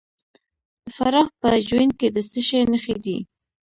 د فراه په جوین کې د څه شي نښې دي؟